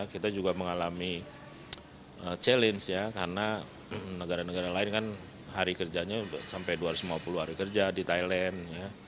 kita juga mengalami challenge ya karena negara negara lain kan hari kerjanya sampai dua ratus lima puluh hari kerja di thailand